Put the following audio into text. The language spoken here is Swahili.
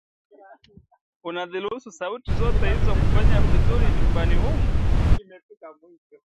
unaziruhusu sauti zote hizo kupenya vizuri chumbani humu